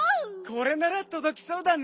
これならとどきそうだね。